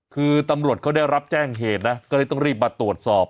คือตำรวจเขาได้รับแจ้งเหตุนะก็เลยต้องรีบมาตรวจสอบ